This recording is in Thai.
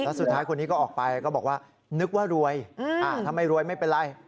แล้วสุดท้ายคนนี้ก็ออกไปก็บอกว่านึกว่ารวยถ้าไม่รวยไม่เป็นไร